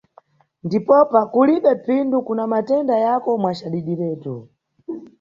Ndipopa kulibe phindu kuna matenda yako mwa cadidiretu.